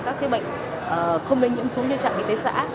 các bệnh không đầy nhiễm xuống cho trạm y tế xã